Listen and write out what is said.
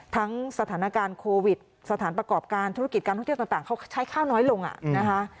สถานการณ์โควิดสถานประกอบการธุรกิจการท่องเที่ยวต่างเขาใช้ข้าวน้อยลงนะคะ